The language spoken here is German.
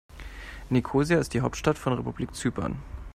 Nikosia ist die Hauptstadt von Republik Zypern.